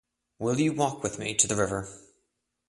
Will you walk with me to the river?